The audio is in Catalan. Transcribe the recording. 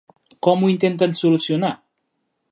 Com ho intenten solucionar?